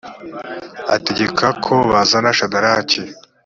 ategeka ko bazana shadaraki